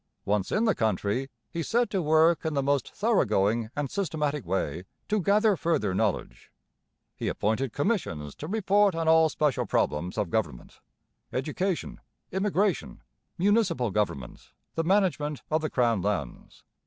Once in the country, he set to work in the most thoroughgoing and systematic way to gather further knowledge. He appointed commissions to report on all special problems of government education, immigration, municipal government, the management of the crown lands.